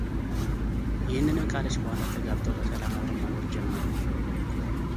ይህንንም ካለች በኋላ ተጋብተው በሰላም አብረው መኖር ጀመሩ፡፡